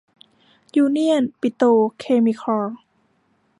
ยูเนี่ยน ปิโตรเคมีคอล